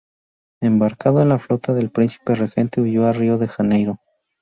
Embarcado en la flota del príncipe regente huyó a Río de Janeiro.